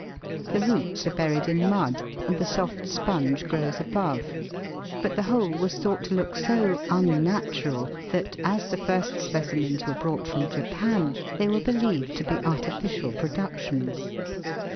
The roots are buried in mud, and the soft sponge grows above, but the whole was thought to look so "un natural " that, as the first specimens were brought from Japan, they were believed to be artificial productions.